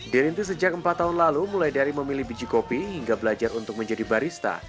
dirintis sejak empat tahun lalu mulai dari memilih biji kopi hingga belajar untuk menjadi barista